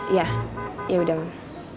iya ya udah mam